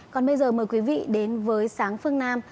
còn bây giờ mời quý vị đến với sáng phương nam